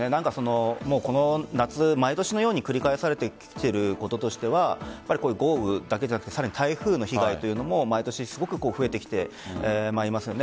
この夏、毎年のように繰り返されてきていることとしては豪雨だけじゃなく台風の被害というのも毎年すごく増えてきていますよね。